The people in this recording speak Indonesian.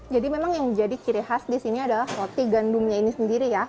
jadi memang yang menjadi ciri khas di sini adalah roti gandumnya ini sendiri ya